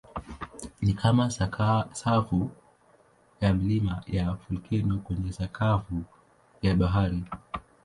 Ni kama safu ya milima ya volkeno kwenye sakafu ya bahari.